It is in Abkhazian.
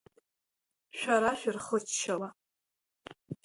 Шәара шәырхыччала…